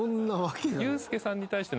ユースケさんに対しては。